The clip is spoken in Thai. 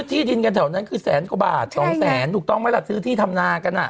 ใช่ค่ะเยอะมากนะน้องมดดำ